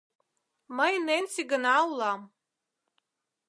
Мый Ненси гына улам.